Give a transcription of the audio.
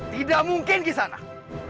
tidak mungkin ghisanak